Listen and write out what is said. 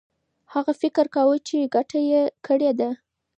هغه فکر کاوه چي ګټه یې کړې ده.